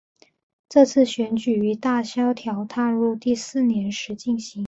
这次选举于大萧条踏入第四年时进行。